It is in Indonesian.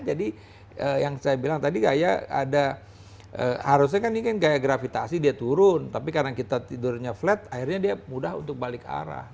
jadi yang saya bilang tadi gaya ada harusnya kan ini gaya gravitasi dia turun tapi karena kita tidurnya flat akhirnya dia mudah untuk balik arah